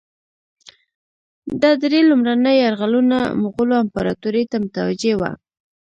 ده درې لومړني یرغلونه مغولو امپراطوري ته متوجه وه.